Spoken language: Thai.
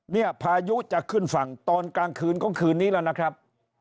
พายุจะขึ้นฝั่งตอนกลางคืนของคืนนี้แล้วนะครับ